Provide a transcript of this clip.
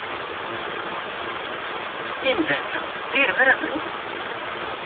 Imdanen-a d irebraben?